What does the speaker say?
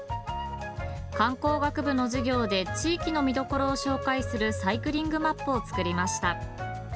観光学部の授業で地域の見どころを紹介するサイクリングマップを作りました。